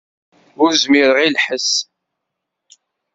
Ur zmireɣ i lḥess.